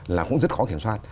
là cũng rất khó kiểm soát